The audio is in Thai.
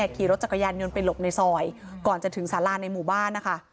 ขี่รถจักรยานยนต์ไปหลบในซอยก่อนจะถึงสาราในหมู่บ้านนะคะ